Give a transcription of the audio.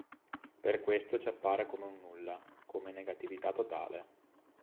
Per questo ci appare come un nulla, come negatività totale.